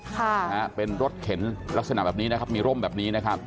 ค่ะนะฮะเป็นรถเข็นลักษณะแบบนี้นะครับมีร่มแบบนี้นะครับ